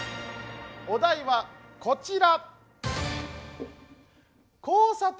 お題はこちら。